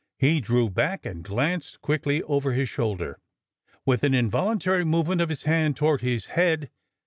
He drew back and glanced quickly over his shoulder, with an involuntary movement of his hand toward his head.